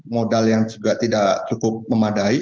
modal yang juga tidak cukup memadai